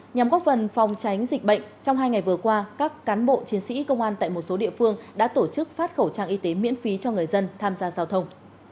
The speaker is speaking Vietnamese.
nhằm góp phần phòng tránh dịch bệnh trong hai ngày vừa qua các cán bộ chiến sĩ công an tại một số địa phương đã tổ chức phát khẩu trang y tế miễn phí cho người dân tham gia giao thông